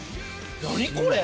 何これ！